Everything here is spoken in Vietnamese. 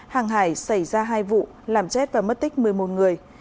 hàng hải xảy ra hai vụ làm chết và mất tích một mươi một người